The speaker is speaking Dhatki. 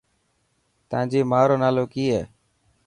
تانجي ماءُ رو نالو ڪي هي.